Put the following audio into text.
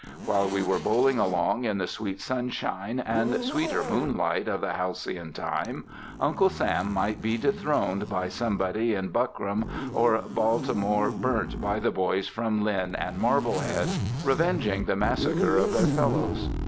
While we were bowling along in the sweet sunshine and sweeter moonlight of the halcyon time, Uncle Sam might be dethroned by somebody in buckram, or Baltimore burnt by the boys from Lynn and Marblehead, revenging the massacre of their fellows.